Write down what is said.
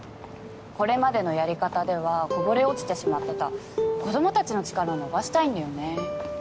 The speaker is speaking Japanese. これまでのやり方ではこぼれ落ちてしまってた子供たちの力を伸ばしたいんだよね。